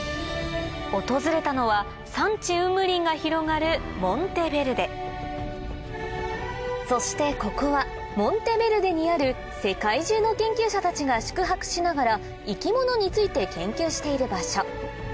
訪れたのはそしてここはモンテベルデにある世界中の研究者たちが宿泊しながら生き物について研究している場所